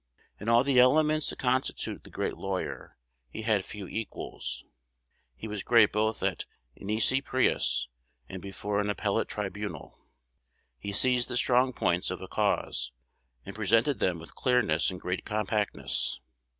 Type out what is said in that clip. In all the elements that constitute the great lawyer, he had few equals. He was great both at nisi prius and before an appellate tribunal. He seized the strong points of a cause, and presented them with clearness and great compactness.